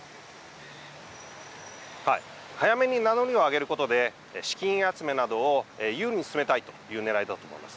早めに名乗りを上げることで資金集めなどを有利に進めたいというねらいだと思います。